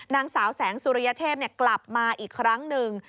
นางสาวแสงสุริยเทพกลับมาอีกครั้งหนึ่ง